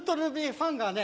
ファンがね